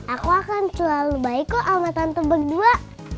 aku akan selalu baik kok sama tante berdua